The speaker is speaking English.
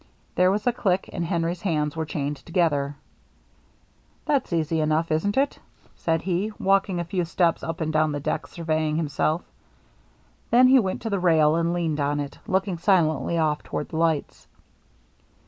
There was a click and Henry's hands were chained together. " That's easy enough, isn't it ?" said he, walking a few steps up and down the deck, surveying himself Then he went to the rail and leaned on it, looking silently off toward the lights.